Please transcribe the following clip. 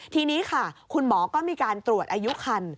ทีนี้ค่ะคุณหมอก็มีการตรวจอายุคัน